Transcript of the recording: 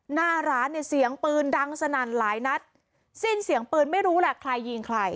หน้าร้านเนี่ยเสียงปืนดังสนั่นหลายนัดสิ้นเสียงปืนไม่รู้แหละใครยิงใคร